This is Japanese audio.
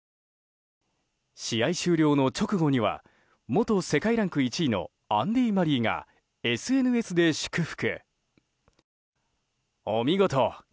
試合終了の直後には元世界ランク１位のアンディ・マリーがＳＮＳで祝福。